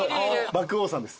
獏王さんです